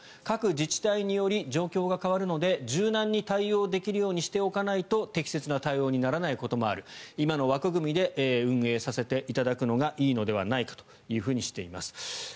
各自治体により状況が変わるので柔軟に対応できるようにしておかないと適切な対応にならないこともある今の枠組みで運営させていただくのがいいのではないかとしています。